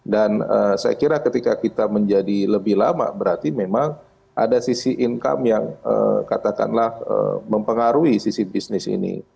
dan saya kira ketika kita menjadi lebih lama berarti memang ada sisi income yang katakanlah mempengaruhi sisi bisnis ini